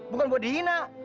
bukan buat dihina